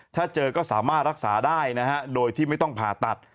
ถ้าเจอก็สามารถรักษาได้นะฮะโดยที่ไม่ต้องผ่าตัด